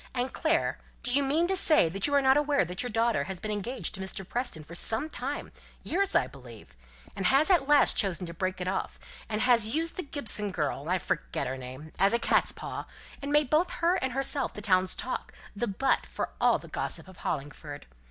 "And, Clare, do you mean to say that you are not aware that your daughter has been engaged to Mr. Preston for some time years, I believe, and has at last chosen to break it off, and has used the Gibson girl I forget her name as a cat's paw, and made both her and herself the town's talk the butt for all the gossip of Hollingford?